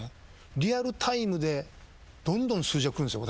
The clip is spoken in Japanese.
リアルタイムでどんどん数字が来るんですよ